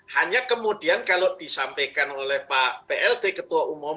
hanya kemudian kalau disampaikan oleh pak plt ketua umum